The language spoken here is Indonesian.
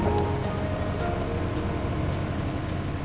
cuman ya gue kan manusia biasa